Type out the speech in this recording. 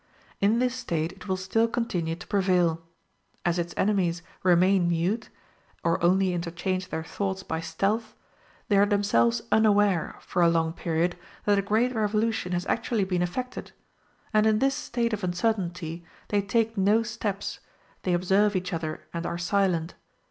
In this state it will still continue to prevail. As its enemies remain mute, or only interchange their thoughts by stealth, they are themselves unaware for a long period that a great revolution has actually been effected; and in this state of uncertainly they take no steps they observe each other and are silent.